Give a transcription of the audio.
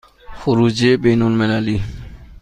خروجی بین المللی